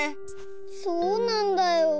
そうなんだよ。